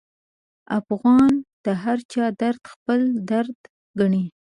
افغان د هرچا درد خپل درد ګڼي.